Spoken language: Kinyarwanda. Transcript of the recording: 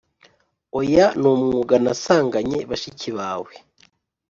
oya numwuga nasanganye bashiki bawe